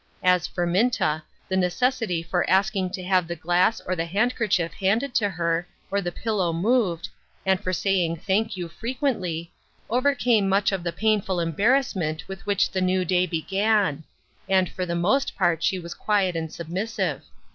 As for Minta, the necessity for asking to have the glass or the handkerchief handed to her, or the pillow moved; and for saying "Thank you " frequently, overcame 330 AT HOME. much of the painful embarrassment with which the new day began ; and for the most part she was quiet and submissive.